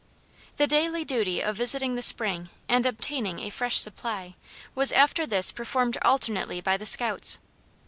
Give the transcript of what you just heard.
The daily duty of visiting the spring and obtaining a fresh supply, was after this performed alternately by the scouts.